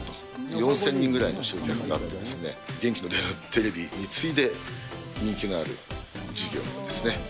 ４０００人ぐらいの集客があって、元気が出るテレビ！に次いで人気のある事業ですね。